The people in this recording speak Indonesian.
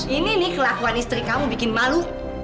ini nih kelakuan istri kamu bikin malu